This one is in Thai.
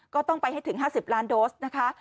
ก็ต้องไปให้ถึง๕๐ล้านโดสนะคะ